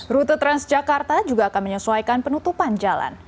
rute transjakarta juga akan menyesuaikan penutupan jalan